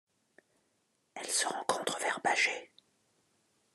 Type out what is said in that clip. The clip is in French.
Elle se rencontre vers Bagé.